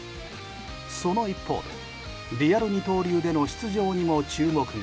その一方で、リアル二刀流での出場にも注目が。